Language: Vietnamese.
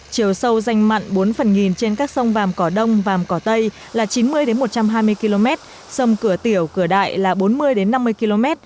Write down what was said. chiều sâu danh mặn bốn phần nghìn trên các sông vàm cỏ đông vàm cỏ tây là chín mươi một trăm hai mươi km sông cửa tiểu cửa đại là bốn mươi năm mươi km